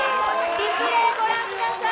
リプレー御覧ください。